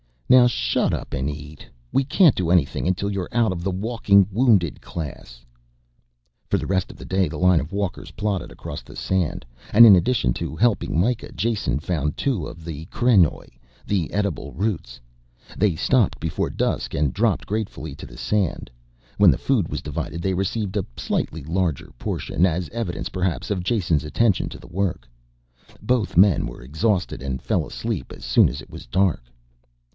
Now shut up and eat. We can't do anything until you are out of the walking wounded class." For the rest of the day the line of walkers plodded across the sand and in addition to helping Mikah, Jason found two of the krenoj, the edible roots. They stopped before dusk and dropped gratefully to the sand. When the food was divided they received a slightly larger portion, as evidence perhaps of Jason's attention to the work. Both men were exhausted and fell asleep as soon as it was dark.